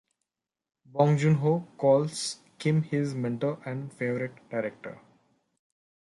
Bong Joon-ho calls Kim his mentor and favorite director.